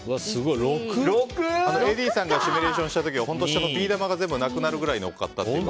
ＡＤさんがシミュレーションした時は下のビー玉がなくなるぐらい乗っかったと。